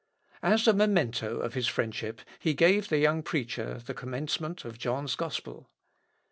" As a memento of his friendship he gave the young preacher the commencement of John's Gospel.